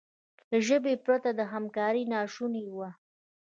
له ژبې پرته دا همکاري ناشونې وه.